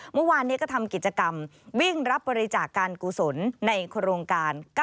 เมื่อวานนี้ก็ทำกิจกรรมวิ่งรับบริจาคการกุศลในโครงการ๙